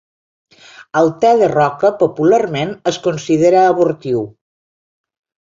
El te de roca popularment es considera abortiu.